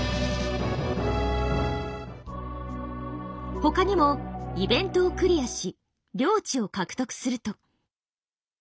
他にもイベントをクリアし領地を獲得すると。